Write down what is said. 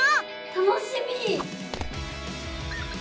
楽しみ！